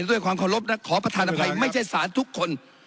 ล่ะด้วยความขอบขอผ่านภัยไม่ใช่ศาลทุกคน